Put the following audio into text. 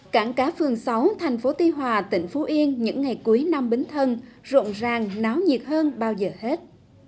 cảng cá phương sáu thành phố ti hòa tỉnh phú yên những ngày cuối năm bến thân rộng ràng náo nhiệt hơn bao giờ hết